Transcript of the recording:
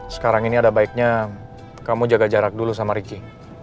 sekarang ini ada baiknya kamu jaga jarak dulu sama ricky